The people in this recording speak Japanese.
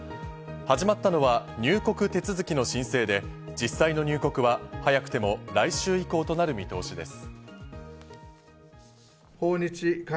始まったのは入国手続きの申請で、実際の入国は早くても来週以降となる見通しです。